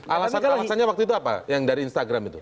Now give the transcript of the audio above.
alasannya waktu itu apa yang dari instagram itu